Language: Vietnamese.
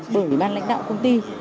đánh giá bởi bàn lãnh đạo công ty